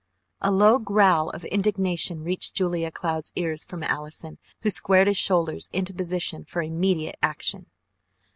A low growl of indignation reached Julia Cloud's ears from Allison, who squared his shoulders into position for immediate action.